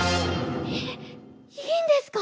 えっいいんですか？